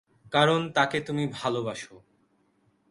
কারন তাকে তুমি ভালোবাসো।